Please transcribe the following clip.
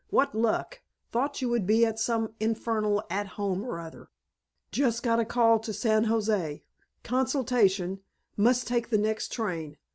What luck. Thought you would be at some infernal At Home or other. Just got a call to San Jose consultation must take the next train.